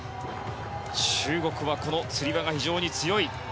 中国はつり輪が非常に強い。